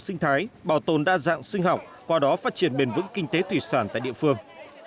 sinh thái bảo tồn đa dạng sinh học qua đó phát triển bền vững kinh tế thủy sản tại địa phương